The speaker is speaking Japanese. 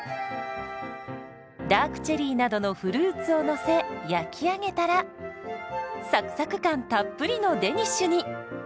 ダークチェリーなどのフルーツをのせ焼き上げたらサクサク感たっぷりのデニッシュに。